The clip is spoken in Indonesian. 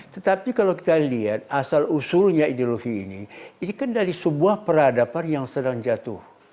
tetapi kalau kita lihat asal usulnya ideologi ini ini kan dari sebuah peradaban yang sedang jatuh